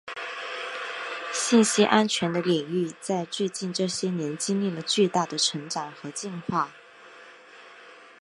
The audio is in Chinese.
信息安全的领域在最近这些年经历了巨大的成长和进化。